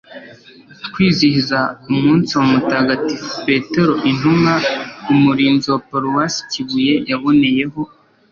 kwizihiza umunsi wa mutagatifu petero intumwa, umurinzi wa paruwasi kibuye. yaboneyeho